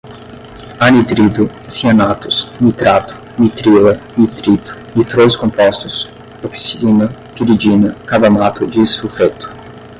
anidrido, cianatos, nitrato, nitrila, nitrito, nitroso compostos, oxima, piridina, carbamato, disulfeto